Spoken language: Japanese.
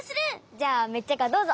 じゃあメッチャカどうぞ！